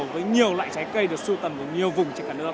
với nhiều loại trái cây được su tầm ở nhiều vùng trên cả nước